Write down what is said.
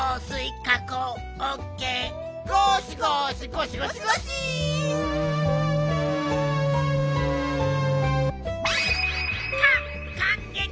かっかんげき！